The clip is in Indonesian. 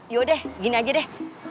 yodeh gini aja deh